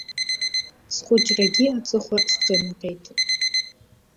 Схәыҷрагьы аҵыхәа сҿанаҟьеит.